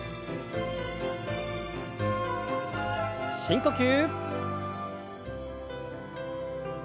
深呼吸。